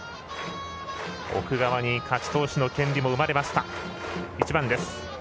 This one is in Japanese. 奥川に勝ち投手の権利も生まれました。